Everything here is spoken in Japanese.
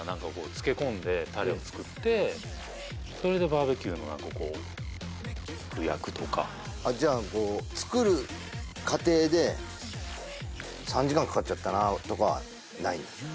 漬け込んでタレを作ってそれでバーベキューの何かこう焼くとかじゃあこう作る過程で３時間かかっちゃったなあとかない？